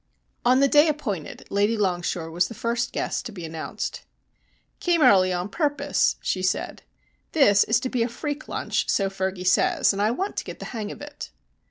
On the day appointed, Lady Longshore was the first guest to be announced. "Came early on purpose," she said. "This is to be a freak lunch, so Fergy says, and I want to get the hang of it."